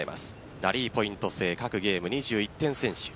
ラリーポイント制各ゲーム２１点先取。